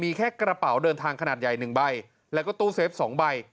มีแค่กระเป๋าเดินทางขนาดใหญ่๑ใบแล้วก็ตู้เซฟ๒ใบ